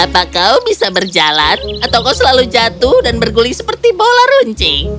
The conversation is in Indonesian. apakah kau bisa berjalan atau kau selalu jatuh dan berguling seperti bola runcing